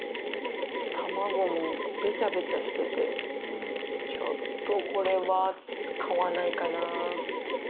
たまごもべちゃべちゃしてて、ちょっとこれは買わないかな。